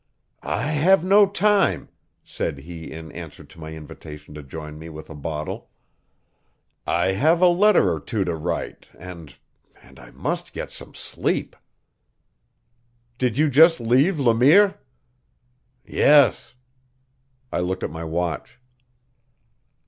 "I have no time," said he in answer to my invitation to join me with a bottle. "I have a letter or two to write, and and I must get some sleep." "Did you just leave Le Mire?" "Yes." I looked at my watch.